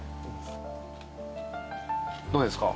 どうですか？